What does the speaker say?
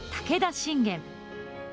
信玄。